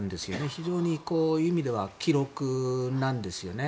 非常にこういう意味では記録なんですね。